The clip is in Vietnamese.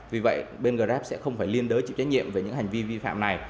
vì vậy bên grab sẽ không phải liên đối chịu trách nhiệm về những hành vi vi phạm này